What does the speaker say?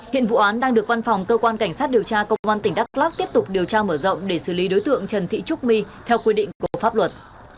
hiện vụ án đang được văn phòng cơ quan cảnh sát điều tra công an tỉnh đắk lắc tiếp tục điều tra mở rộng để xử lý đối tượng trần thị trúc my theo quy định của pháp luật